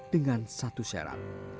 dengan satu syarat